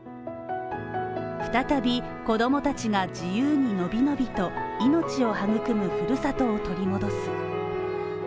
再び子供たちが自由に伸び伸びと命を育むふるさとを取り戻す。